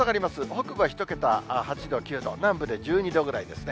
北部は１桁、８度、９度、南部で１２度ぐらいですね。